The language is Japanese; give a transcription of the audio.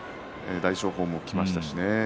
大翔鵬も来ましたしね